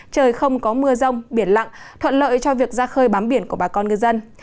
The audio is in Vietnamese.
trời không có mưa rông biển lặng thuận lợi cho việc ra khơi bám biển của bà con ngư dân